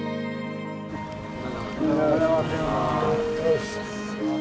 おはようございます。